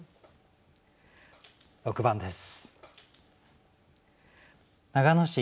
６番です。